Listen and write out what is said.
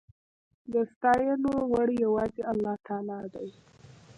د ستاينو وړ يواځې الله تعالی دی